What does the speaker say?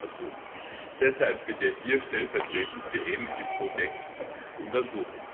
Deshalb wird er hier stellvertretend für ähnliche Codecs untersucht.